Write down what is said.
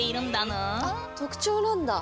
あっ特徴なんだ。